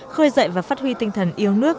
khơi dậy và phát huy tinh thần yêu nước